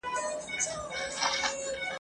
نوري زرکي به په تا څنګه باور کړي ..